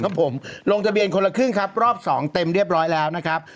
ครับผมลงทะเบียนคนละครึ่งครับรอบสองเต็มเรียบร้อยแล้วนะครับ